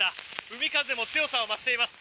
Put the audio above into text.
海風も強さを増しています。